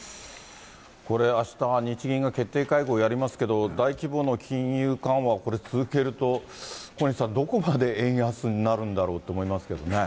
これ、あした日銀が決定会合やりますけど、大規模な金融緩和、これ、続けると、小西さん、どこまで円安になるんだろうって思いますけどね。